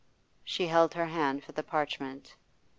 She held her hand for the parchment.